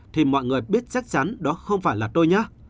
thì mọi người biết chắc chắn đó không phải là tôi nhé